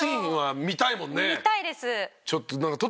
見たいです。